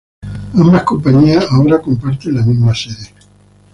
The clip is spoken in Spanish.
Ambas compañías ahora comparten la misma sede.